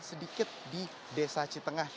sedikit di desa citengah